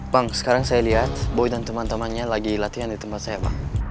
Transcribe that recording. bang sekarang saya lihat boy dan teman temannya lagi latihan di tempat saya bang